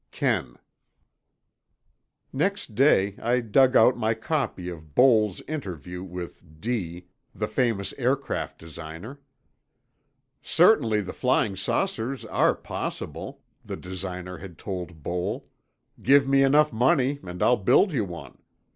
KEN Next day, I dug out my copy of Boal's interview with D———, the famous aircraft designer. "Certainly the flying saucers are possible," the designer had told Boal. "Give me enough money and I'll build you one.